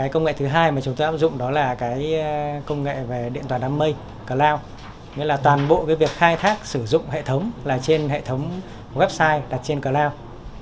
công nghệ thứ hai mà chúng tôi áp dụng đó là công nghệ về điện thoại đam mê cloud nghĩa là toàn bộ việc khai thác sử dụng hệ thống là trên hệ thống website đặt trên cloud